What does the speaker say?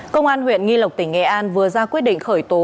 công an huyện nghi lộc tỉnh nghệ an vừa ra quyết định khởi tố